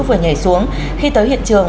vừa nhảy xuống khi tới hiện trường